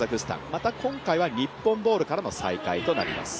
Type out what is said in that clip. また今回は日本ボールからの再開となります。